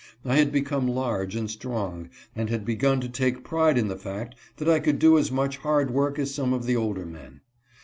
I had become large and strong, and had begun to take pride in the fact that I could do as much hard work as some of the older men.